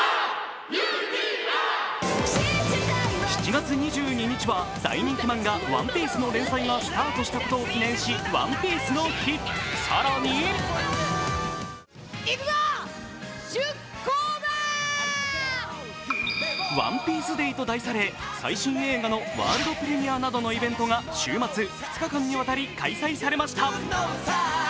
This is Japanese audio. ７月２２日は大人気漫画「ＯＮＥＰＩＥＣＥ」の連載がスタートしたことを記念し、ＯＮＥＰＩＥＣＥの日、更にＯＮＥＰＩＥＣＥＤＡＹと題され最新映画のワールドプレミアなどのイベントが週末２日間にわたり開催されました。